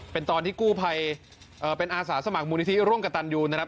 เป็นตอนที่กู้ภัยเป็นอาสาสมัครมูลนิธิร่วมกับตันยูนะครับ